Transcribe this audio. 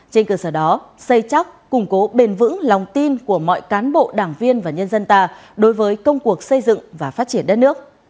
trên cơ sở đó xây chóc củng cố bền vững lòng tin của mọi cán bộ đảng viên và nhân dân ta đối với công cuộc xây dựng và phát triển đất nước